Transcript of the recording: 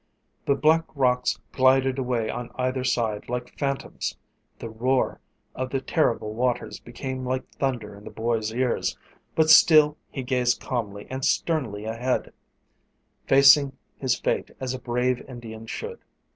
The black rocks glided away on either side like phantoms. The roar of the terrible waters became like thunder in the boy's ears. But still he gazed calmly and sternly ahead, facing his fate as a brave Indian should.